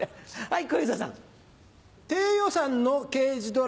はい。